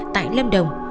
tại lâm đồng